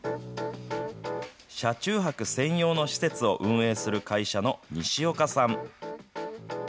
車中泊専用の施設を運営する会社の西岡さん。